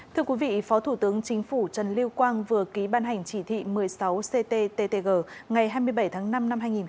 thưa quý vị phó thủ tướng chính phủ trần lưu quang vừa ký ban hành chỉ thị một mươi sáu cttg ngày hai mươi bảy tháng năm năm hai nghìn hai mươi